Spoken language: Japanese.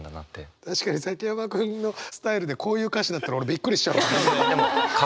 確かに崎山君のスタイルでこういう歌詞だったら俺びっくりしちゃう。